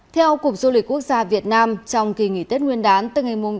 theo cục du lịch quốc gia việt nam trong kỳ nghỉ tết nguyên đán